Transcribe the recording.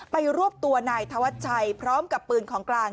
รวบตัวนายธวัชชัยพร้อมกับปืนของกลาง